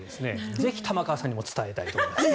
ぜひ玉川さんにも伝えたいと思います。